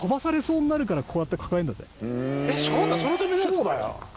そうだよ！